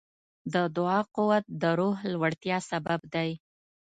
د دعا قوت د روح لوړتیا سبب دی.